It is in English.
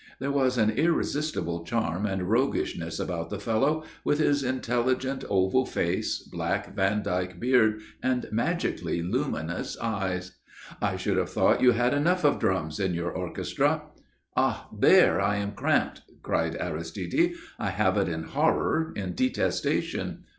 There was an irresistible charm and roguishness about the fellow, with his intelligent oval face, black Vandyke beard and magically luminous eyes. "I should have thought you had enough of drums in your orchestra." "Ah! there I am cramped!" cried Aristide. "I have it in horror, in detestation.